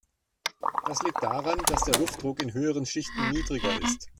Das liegt daran, dass der Luftdruck in höheren Schichten niedriger ist.